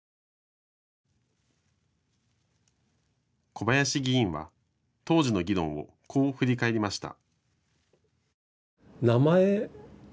小林議員は当時の議論をこう振り返りました。